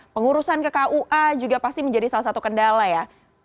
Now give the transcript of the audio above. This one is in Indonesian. pengurusan ke kua juga pasti menjadi salah satu kendala ya